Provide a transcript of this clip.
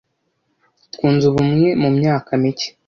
twunze ubumwe mu myaka mike